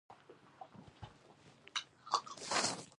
نیلي نهنګ د نړۍ تر ټولو لوی ژوی دی